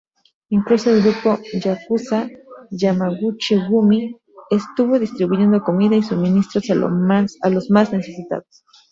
Incluso el grupo "yakuza" Yamaguchi-gumi estuvo distribuyendo comida y suministros a los más necesitados.